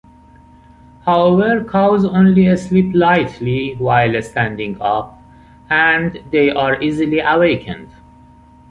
However, cows only sleep lightly while standing up, and they are easily awakened.